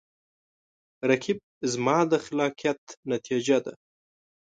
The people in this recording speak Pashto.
رقیب زما د خلاقیت نتیجه ده